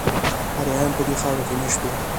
آریایان په دې خاوره کې میشت وو